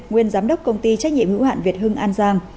nguyên giám đốc công ty trách nhiệm hữu hạn việt hưng an giang